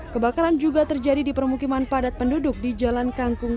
kebakaran juga terjadi di permukiman padat penduduk di jalan kangkung